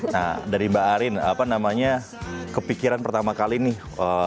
nah dari mbak arin apa namanya kepikiran pertama kali nih